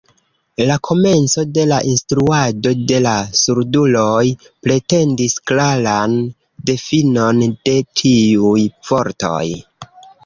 La komenco de la instruado de la surduloj pretendis klaran difinon de tiuj vortoj.